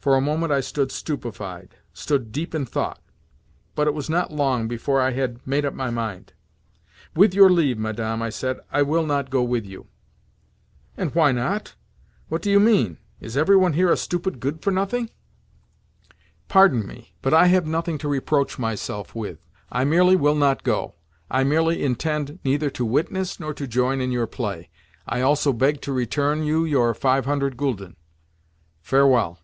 For a moment I stood stupefied—stood deep in thought; but it was not long before I had made up my mind. "With your leave, Madame," I said, "I will not go with you." "And why not? What do you mean? Is every one here a stupid good for nothing?" "Pardon me, but I have nothing to reproach myself with. I merely will not go. I merely intend neither to witness nor to join in your play. I also beg to return you your five hundred gülden. Farewell."